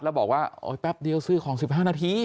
แล้วบอกว่าโอ๊ยแป๊บเดียวซื้อของ๑๕นาที